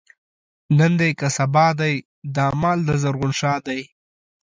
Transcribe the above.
نن دی که سبا دی، دا مال دَ زرغون شاه دی